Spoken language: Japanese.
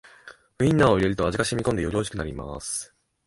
ウインナーを入れると味がしみこんでよりおいしくなります